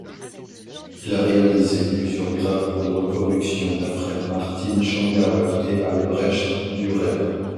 Il a réalisé plusieurs gravures de reproduction d'après Martin Schongauer et Albrecht Dürer.